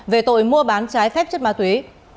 về tội mua bán trái phép chất ma túy